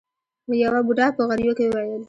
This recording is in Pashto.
يوه بوډا په غريو کې وويل.